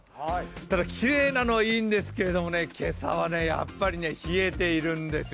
ただきれいなのはいいんですけどね、今朝はやっぱり冷えているんですよ。